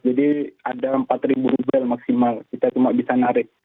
jadi ada empat ribu rubel maksimal kita cuma bisa narik